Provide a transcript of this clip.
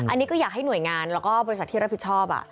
อันนี้ก็อยากให้หน่วยงานแล้วก็บริษัทที่รับผิดชอบ